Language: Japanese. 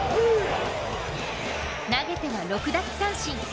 投げては６奪三振。